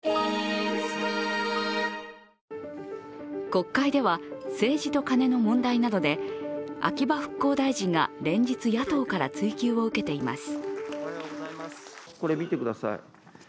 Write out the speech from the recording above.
国会では政治とカネの問題などで秋葉復興大臣が連日、野党から追及を受けています